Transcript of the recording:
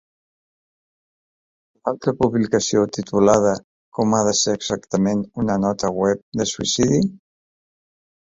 L"altra publicació, titulada Com ha de ser exactament una nota web de suïcidi?